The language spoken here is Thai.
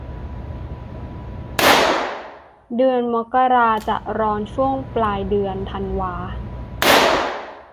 เดือนมกราจะร้อนช่วงปลายเดือนธันวา